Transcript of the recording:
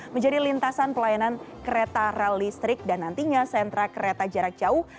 menjadi lintasan pelayanan kereta rel listrik dan nantinya sentra kereta jarak jauh